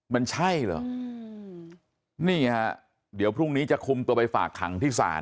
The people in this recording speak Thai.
มันใช่เหรอนี่ฮะเดี๋ยวพรุ่งนี้จะคุมตัวไปฝากขังที่ศาล